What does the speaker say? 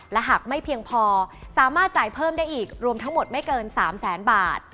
และหากไม่เพียงพอสามารถจ่ายเพิ่มได้อีกรวมทั้งหมดไม่เกิน๓แสนบาท